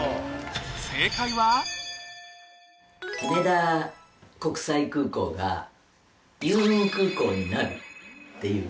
羽田国際空港がユーミン空港になるっていう。